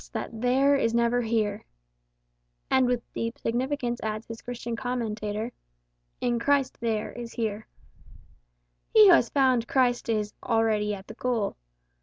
that there is never here." And with deep significance adds his Christian commentator, "In Christ there is here." He who has found Christ "is already at the goal."